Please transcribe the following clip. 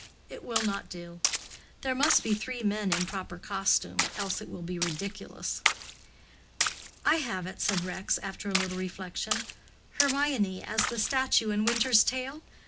It will not do. There must be three men in proper costume, else it will be ridiculous." "I have it," said Rex, after a little reflection. "Hermione as the statue in Winter's Tale?